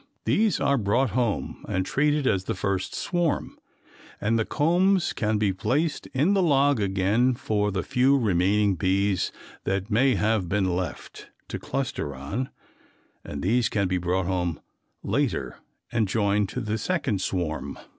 These are brought home and treated as the first swarm and the combs can be placed in the log again for the few remaining bees that may have been left, to cluster on and these can be brought home later and joined to the second swarm.